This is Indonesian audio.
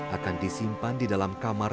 akan disimpan di dalam kamar